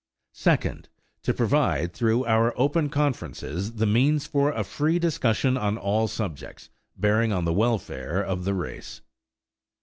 Second. To provide through our open conferences the means for a free discussion on all subjects bearing on the welfare of the race.